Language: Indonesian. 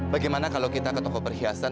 bagaimana kalau kita ke toko perhiasan